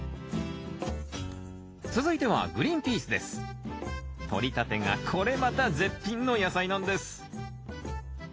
続いてはとりたてがこれまた絶品の野菜なんです